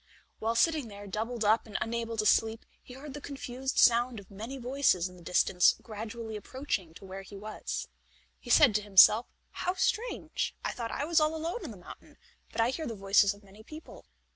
While sitting there doubled up and unable to sleep, he heard the confused sound of many voices in the distance gradually approaching to where he was. He said to himself: "How strange! I thought I was all alone in the mountain, but I hear the voices of many people."